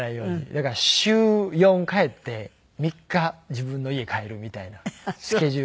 だから週４帰って３日自分の家帰るみたいなスケジュールしていて。